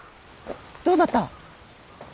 どうだった？